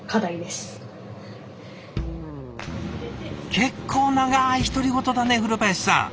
結構長い独り言だね古林さん。